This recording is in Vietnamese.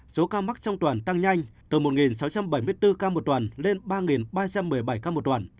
số ca mắc trong toàn tăng nhanh từ một sáu trăm bảy mươi bốn ca một tuần lên ba ba trăm một mươi bảy ca một đoàn